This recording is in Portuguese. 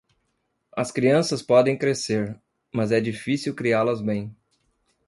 As crianças podem crescer, mas é difícil criá-las bem.